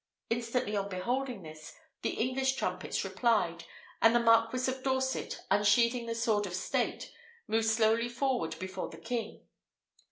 Instantly on beholding this, the English trumpets replied, and the Marquis of Dorset, unsheathing the sword of state, moved slowly forward before the king.